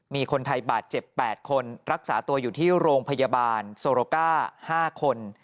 มีคนไทยบาดเจ็บ๘คนรักษาตัวอยู่ที่โรงพยาบาลโซโรก้า๕คน